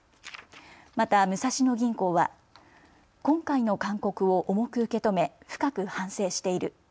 また武蔵野銀行は今回の勧告を重く受け止め深く反省している。